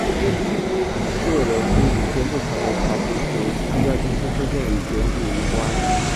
叶刘淑仪接受传媒查询时强调今次事件与选举无关。